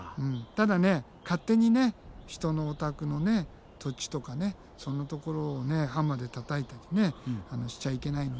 ただね勝手に人のお宅の土地とかそんなところをハンマーでたたいたりねしちゃいけないので。